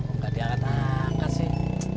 aduh kok nggak diangkat angkat sih